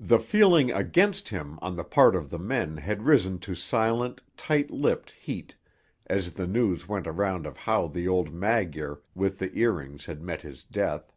The feeling against him on the part of the men had risen to silent, tight lipped heat as the news went around of how the old Magyar with the ear rings had met his death.